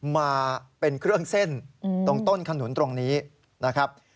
มาเป็นเครื่องเส้นตรงต้นขนุนตรงนี้นะครับ